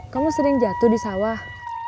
kamu sering jatuh di sawah